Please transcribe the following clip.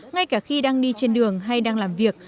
ngay cả khi đang đi trên đường hay đang làm việc